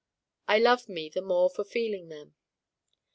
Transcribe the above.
I love Me the more for feeling them.